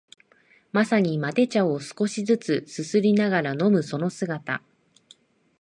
まさにマテ茶を少しづつすすりながら飲むその姿